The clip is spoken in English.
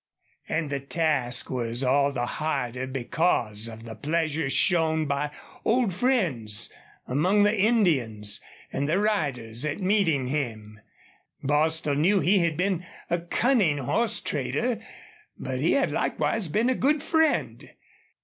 And the task was all the harder because of the pleasure shown by old friends among the Indians and the riders at meeting him. Bostil knew he had been a cunning horse trader, but he had likewise been a good friend.